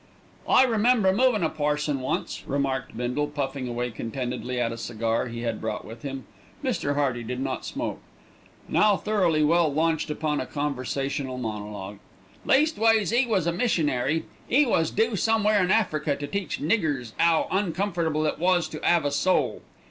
"I remember movin' a parson once," remarked Bindle, puffing away contentedly at a cigar he had brought with him (Mr. Hearty did not smoke), now thoroughly well launched upon a conversational monologue. "Leastways 'e was a missionary. 'E was due somewhere in Africa to teach niggers 'ow uncomfortable it is to 'ave a soul.